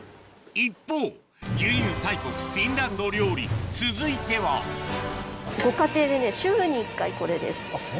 一方牛乳大国フィンランド料理続いてはご家庭で週に１回これです。